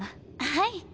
はい。